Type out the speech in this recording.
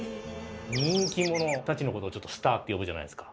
人気者たちのことを「スター」って呼ぶじゃないですか。